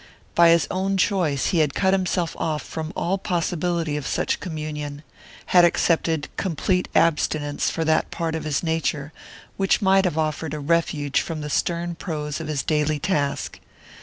By his own choice he had cut himself off from all possibility of such communion; had accepted complete abstinence for that part of his nature which might have offered a refuge from the stern prose of his daily task.